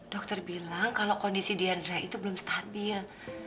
dokter bilang kalau kondisi diandra itu belum stabil